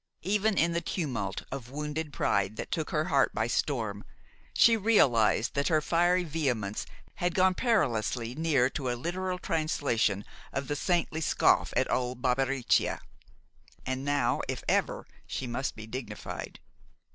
Even in the tumult of wounded pride that took her heart by storm, she realized that her fiery vehemence had gone perilously near to a literal translation of the saintly scoff at old Barbariccia. And, now if ever, she must be dignified.